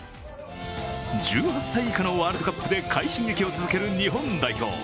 １８歳以下のワールドカップで快進撃を続ける日本代表。